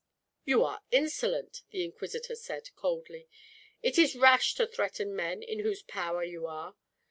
"You are insolent," the inquisitor said, coldly. "It is rash to threaten men in whose power you are.